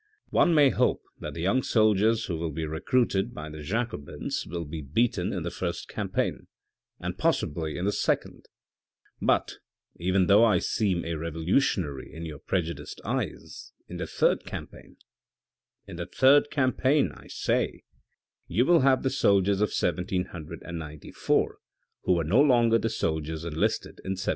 " One may hope that the young soldiers who will be recruited by the Jacobins will be beaten in the first campaign, and possibly in the second ; but, even though I seem a revolutionary in your prejudiced eyes, in the third campaign — in the third campaign I say — you will have the soldiers of 1794 who were no longer the soldiers enlisted in 1792."